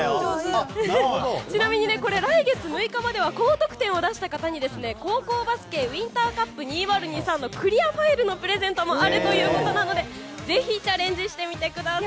ちなみに来月６日までは高得点を出した方に高校バスケウインターカップ２０２３のクリアファイルのプレゼントもあるということなのでチャレンジしてみてください。